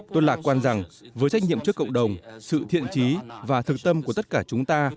tôi lạc quan rằng với trách nhiệm trước cộng đồng sự thiện trí và thực tâm của tất cả chúng ta